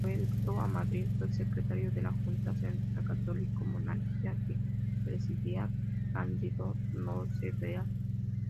Vuelto a Madrid, fue secretario de la Junta Central católico-monárquica que presidía Cándido Nocedal.